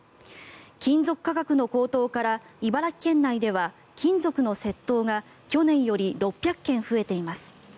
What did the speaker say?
金属価格の高騰から茨城県内では金属の窃盗が去年より６００件増えています。